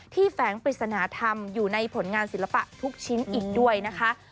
แฝงปริศนธรรมอยู่ในผลงานศิลปะทุกชิ้นอีกด้วยนะคะ